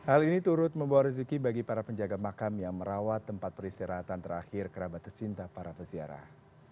hal ini turut membawa rezeki bagi para penjaga makam yang merawat tempat peristirahatan terakhir kerabat tersinta para peziarah